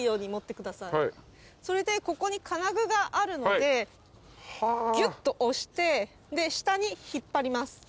それでここに金具があるのでギュッと押してで下に引っ張ります。